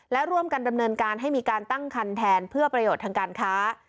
และร่วมกันดำเนินการให้มีการตั้งคันแทนเพื่อประโยชน์ทางการค้า